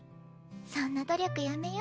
そんな努力やめよ。